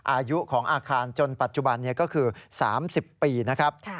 อายุของอาคารจนปัจจุบันนี้ก็คือ๓๐ปีนะครับ